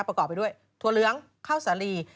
ประกอบไปด้วยถั่วเหลืองข้าวสาลี